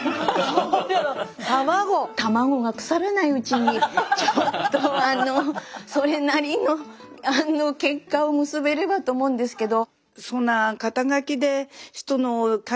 卵が腐らないうちにちょっとあのそれなりの結果を結べればと思うんですけど。